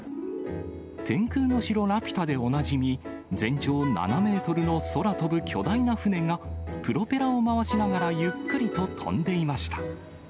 天空の城ラピュタでおなじみ、全長７メートルの空飛ぶ巨大な船が、プロペラを回しながらゆっくりと飛んでいました。